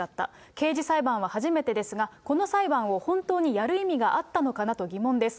刑事裁判は初めてですが、この裁判を本当にやる意味があったのかなと疑問です。